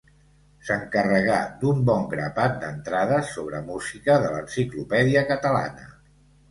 S'encarregà d'un bon grapat d'entrades sobre música de l'Enciclopèdia Catalana.